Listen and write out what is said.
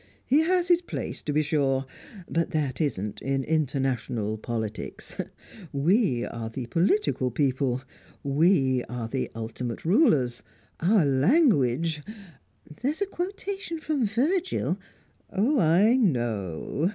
He has his place, to be sure, but that isn't in international politics. We are the political people; we are the ultimate rulers. Our language " "There's a quotation from Virgil " "I know.